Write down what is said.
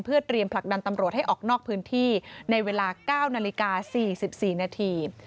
เพื่อเตรียมผลักดันตำรวจให้ออกนอกพื้นที่ในเวลา๙นาฬิกา๔๔นาที